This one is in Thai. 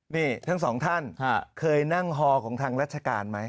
นี่ทั้งสองท่านเคยนั่งฮอของทางราชการไหม